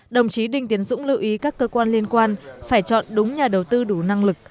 đồng chí đinh tiến dũng lưu ý các cơ quan liên quan phải chọn đúng nhà đầu tư đủ năng lực